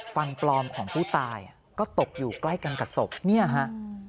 ฟันปลอมของผู้ตายก็ตกอยู่ใกล้กันกับศพเนี่ยฮะ